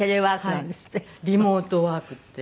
リモートワークっていう。